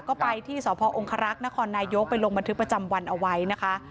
ก็ไปที่สพองครักษ์นครนายกไปลงบันทึกประจำวันเอาไว้นะคะ